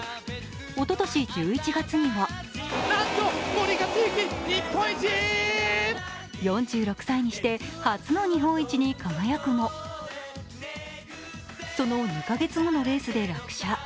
おととし１１月には４６歳にして初の日本一に輝くも、その２カ月後のレースで落車。